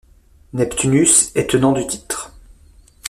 Neptunus est tenant du titre.